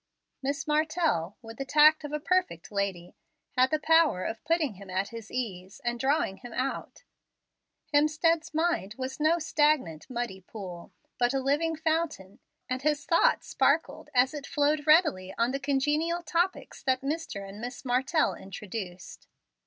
Miss Martell, with the tact of a perfect lady, had the power of putting him at his ease and drawing him out. Hemstead's mind was no stagnant, muddy pool, but a living fountain, and his thought sparkled as it flowed readily on the congenial topics that Mr. and Miss Martell introduced.